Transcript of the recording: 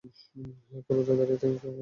এখন রোদে দাঁড়িয়ে থেকে কাপড় শুকাও।